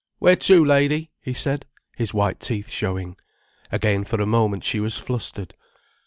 "Where to, lady?" he said, his white teeth showing. Again for a moment she was flustered.